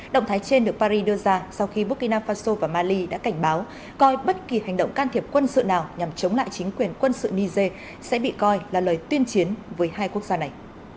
động thái trên được paris đưa ra sau khi burkina faso và mali đã cảnh báo coi bất kỳ hành động can thiệp quân sự nào nhằm chống lại chính quyền quân sự niger sẽ bị coi là lời tuyên chiến với hai quốc gia này